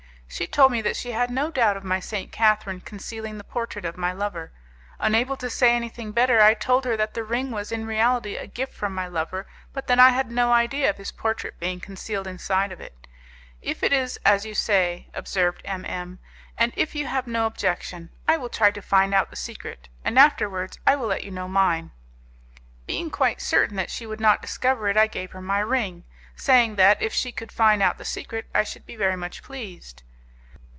She told me that she had no doubt of my St. Catherine concealing the portrait of my lover. Unable to say anything better, I told her that the ring was in reality a gift from my lover, but that I had no idea of his portrait being concealed inside of it. 'If it is as you say,' observed M M , 'and if you have no objection, I will try to find out the secret, and afterwards I will let you know mine.' Being quite certain that she would not discover it, I gave her my ring, saying that, if she could find out the secret, I should be very much pleased.